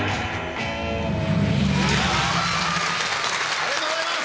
ありがとうございます！